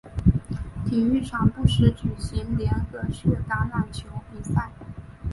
体育场不时举行联合式橄榄球比赛。